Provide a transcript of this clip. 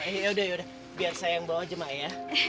ya udah ya udah biar saya yang bawa aja ma'e ya